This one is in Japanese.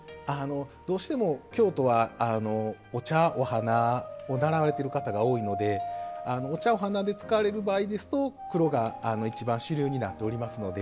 どうしても京都はお茶お花を習われてる方が多いのでお茶お花で使われる場合ですと黒が一番主流になっておりますので。